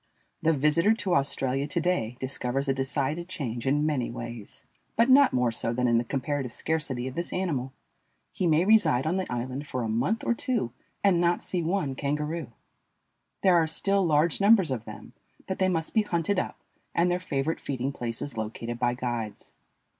The visitor to Australia to day discovers a decided change in many ways, but not more so than in the comparative scarcity of this animal. He may reside on the island for a month or two and not see one kangaroo. There are still large numbers of them, but they must be hunted up and their favorite feeding places located by guides.